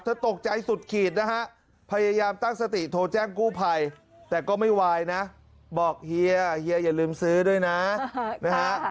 ตกใจสุดขีดนะฮะพยายามตั้งสติโทรแจ้งกู้ภัยแต่ก็ไม่วายนะบอกเฮียเฮียอย่าลืมซื้อด้วยนะนะฮะ